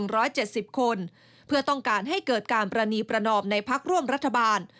ร้อยเจ็ดสิบคนเพื่อต้องการให้เกิดการประนีประนอมในพักร่วมรัฐบาล